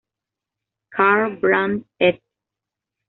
Karl Brandt et.